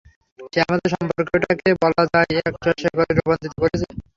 সে আমাদের সম্পর্কটাকে বলা যায় একটা শেকলে রূপান্তরিত করেছে!